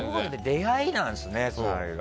出会いなんですね。